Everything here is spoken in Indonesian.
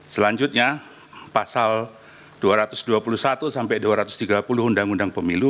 selanjutnya pasal dua ratus dua puluh satu sampai dua ratus tiga puluh undang undang pemilu